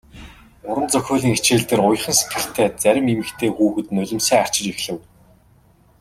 Уран зохиолын хичээл дээр уяхан сэтгэлтэй зарим эмэгтэй хүүхэд нулимсаа арчиж эхлэв.